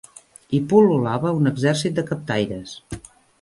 Hi pul·lulava un exèrcit de captaires.